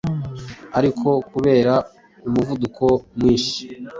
ariko kubera umuvuduko mwinshi